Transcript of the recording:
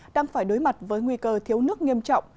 đang phải đối mặt với nguy cơ thiếu nước nghiêm trọng